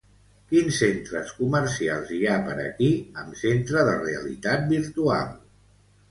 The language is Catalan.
Quins centres comercials hi ha per aquí amb centre de realitat virtual?